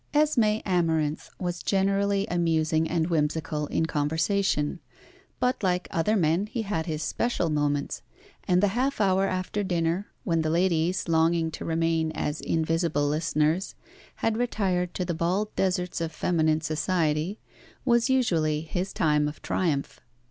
Esmé Amarinth was generally amusing and whimsical in conversation, but, like other men, he had his special moments, and the half hour after dinner, when the ladies, longing to remain as invisible listeners, had retired to the bald deserts of feminine society, was usually his time of triumph.